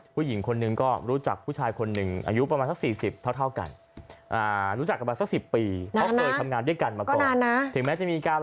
ผู้หญิงคนหนึ่งก็รู้จักผู้ชายคนหนึ่งอายุประมาณสัก๔๐เท่ากัน